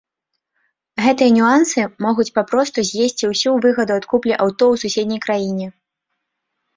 Гэтыя нюансы могуць папросту з'есці ўсю выгаду ад куплі аўто ў суседняй краіне.